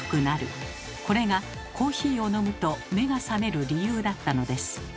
これがコーヒーを飲むと目が覚める理由だったのです。